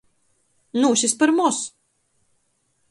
Nūsist par moz!